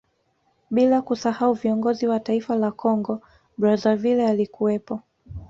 Bila kusahau viongozi wa taifa la Kongo Brazzaville alikuwepo